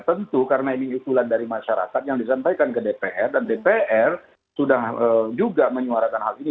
tentu karena ini usulan dari masyarakat yang disampaikan ke dpr dan dpr sudah juga menyuarakan hal ini